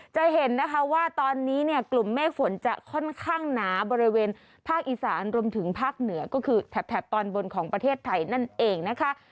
จะเห็นนะคะว่าตอนนี้เนี่ยกลุ่มเมฆฝนจะค่อนข้างหนาบริเวณภาคอีสานรวมถึงภาคเหนือก็คือแถบตอนบนของประเทศไทยนั่นเองนะคะ